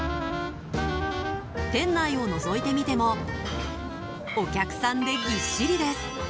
店内をのぞいてみてもお客さんでぎっしりです。